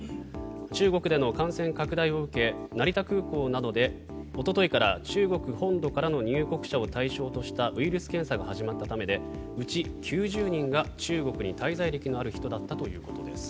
中国での感染拡大を受け成田空港などでおとといから中国本土からの入国者を対象としたウイルス検査が始まったためでうち９０人が中国に滞在歴のある人だったということです。